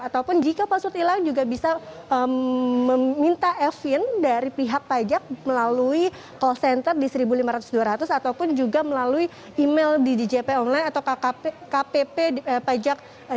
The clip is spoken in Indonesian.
ataupun jika pak sud hilang juga bisa meminta evin dari pihak pajak melalui call center di seribu lima ratus dua ratus ataupun juga melalui email di djp online atau kpp pajak